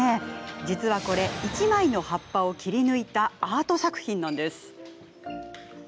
実はこれ、１枚の葉っぱを切り抜いたアート作品なんです。